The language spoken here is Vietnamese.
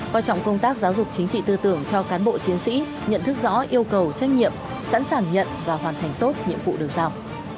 quan trọng công tác giáo dục chính trị tư tưởng cho cán bộ chiến sĩ nhận thức rõ yêu cầu trách nhiệm sẵn sàng nhận và hoàn thành tốt nhiệm vụ được giao